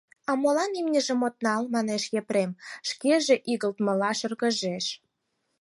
— А молан имньыжым от нал? — манеш Епрем, шкеже игылтмыла шыргыжеш.